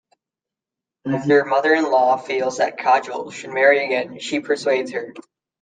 As her mother-in-law feels that Kajal should marry again, she persuades her.